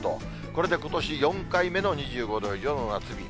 これでことし４回目の２５度以上の夏日。